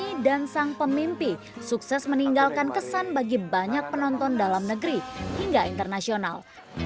ini dan sang pemimpin sukses meninggalkan kesan bagi banyak penonton dalam negeri hingga internasional